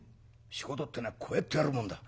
仕事ってえのはこうやってやるもんだ」。